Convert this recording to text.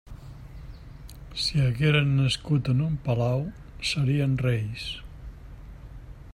Si hagueren nascut en un palau, serien reis.